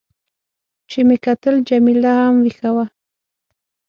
چې مې کتل، جميله هم وېښه وه.